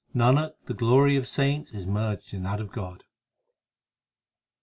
Nanak, the glory of saints is merged in that of God.